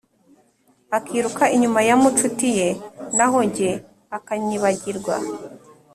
akiruka inyuma y’amacuti ye, naho jye akanyibagirwa.